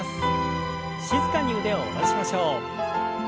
静かに腕を下ろしましょう。